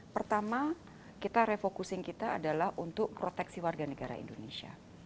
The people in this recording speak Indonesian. pertama kita refocusing kita adalah untuk proteksi warga negara indonesia